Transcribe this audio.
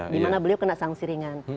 di mana beliau kena sangsi ringan